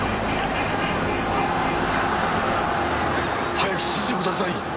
早く指示をください！